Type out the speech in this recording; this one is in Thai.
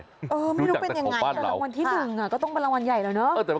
ไม่รู้เป็นยังไงแต่รางวัลที่๑ก็ต้องเป็นรางวัลใหญ่แล้วเนอะ